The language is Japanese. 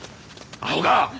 アホが！